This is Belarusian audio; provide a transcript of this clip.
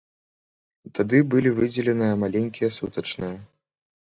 Тады былі выдзеленыя маленькія сутачныя.